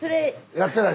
やってない。